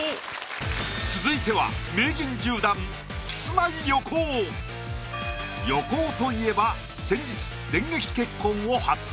続いては横尾といえば先日電撃結婚を発表。